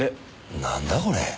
なんだこれ！？